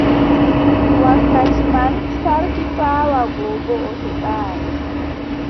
Wakkati man, sarki paawa go boo o heɓaay.